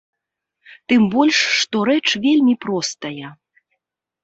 Тым больш, што рэч вельмі простая.